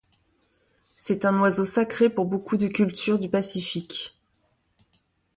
C'est un oiseau sacré pour beaucoup de cultures du Pacifique.